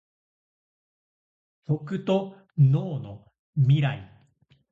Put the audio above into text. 食と農のミライ